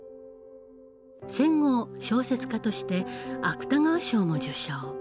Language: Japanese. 戦後小説家として芥川賞も受賞。